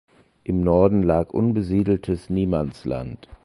Im Norden lag unbesiedeltes Niemandsland.